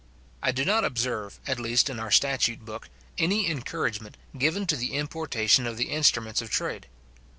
I do not observe, at least in our statute book, any encouragement given to the importation of the instruments of trade.